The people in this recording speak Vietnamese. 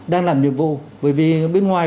đang làm nhiệm vụ bởi vì bên ngoài